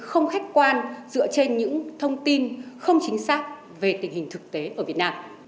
không khách quan dựa trên những thông tin không chính xác về tình hình thực tế ở việt nam